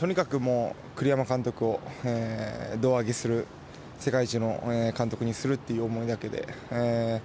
とにかく栗山監督を胴上げする世界一の監督にするという思いだけで。